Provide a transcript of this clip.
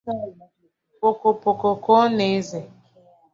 Pòkòpòkò ka ọ na-ézè